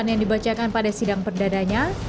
yang dibacakan pada sidang perdadanya